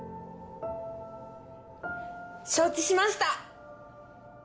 承知しました！